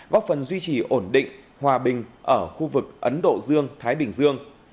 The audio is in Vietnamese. góp phần duy trì ổn định hòa bình ở khu vực ấn độ dương thái bình dương